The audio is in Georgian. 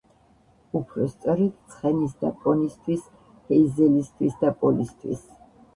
უფრო სწორედ, ცხენის და პონისთვის, ჰეიზელისთვის და პოლისთვის.